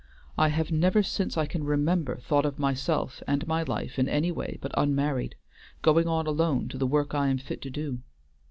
I have never since I can remember thought of myself and my life in any way but unmarried, going on alone to the work I am fit to do.